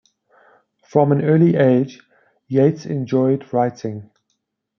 From an early age, Yates enjoyed writing.